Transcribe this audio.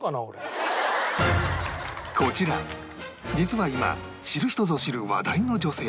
こちら実は今知る人ぞ知る話題の女性